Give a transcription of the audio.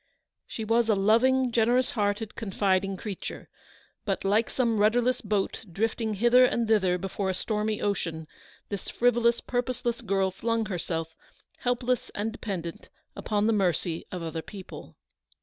She was a loving, generous hearted, confiding creature ; but, like some rudderless boat drifting hither and thither before a stormy ocean, this frivolous, purposeless girl flung herself, helpless and dependent, upon the mercy of other people.